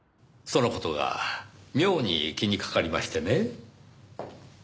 その事が妙に気にかかりましてね。